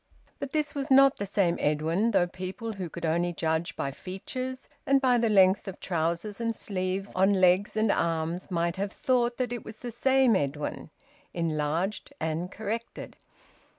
But this was not the same Edwin, though people who could only judge by features, and by the length of trousers and sleeves on legs and arms, might have thought that it was the same Edwin enlarged and corrected.